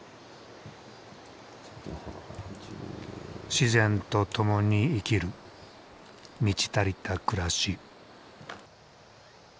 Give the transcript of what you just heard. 自然と共に生きる満ち足りた暮らし。